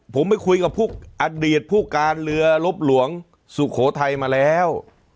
ผมไปคุยกับพวกอดีตผู้การเรือลบหลวงสุโขทัยมาแล้ว